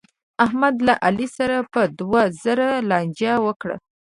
احمد له علي سره په دوه زره لانجه وکړه.